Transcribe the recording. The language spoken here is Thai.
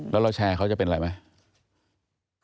แล้วเราแชร์เขาจะเป็นอะไรไหม